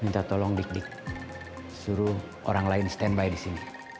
minta tolong dik dik suruh orang lain standby di sini